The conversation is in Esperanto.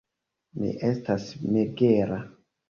Mi estas megera.